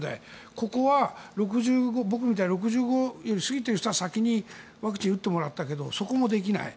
ここは僕みたいな６５を過ぎている人は先にワクチンを打ってもらったけどそこもできない。